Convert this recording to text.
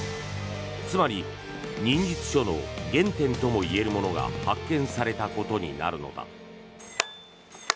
つまり忍術書の原典ともいえるものが発見されたことになるのだ。